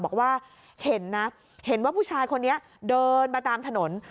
บอกว่าเห็นนะเห็นว่าผู้ชายคนนี้เดินมาตามถนน